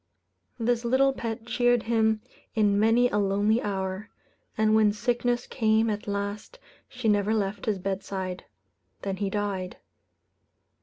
This little pet cheered him in many a lonely hour; and when sickness came at last, she never left his bedside. Then he died.